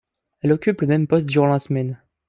Elle occupe le même poste durant la semaine.